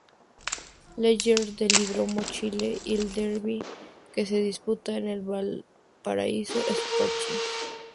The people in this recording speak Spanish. Leger del Hipódromo Chile y El Derby que se disputa en el Valparaíso Sporting.